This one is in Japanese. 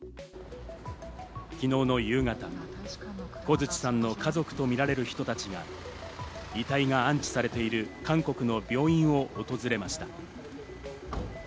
昨日の夕方、小槌さんの家族とみられる人たちが遺体が安置されている韓国の病院を訪れました。